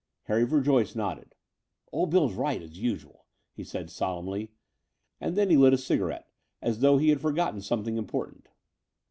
Harry Verjoyce nodded. "Old Bill's right, as usual," he said solemnly: and then he lit a cigarette, as though he had for gotten something important.